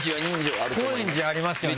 高円寺ありますよね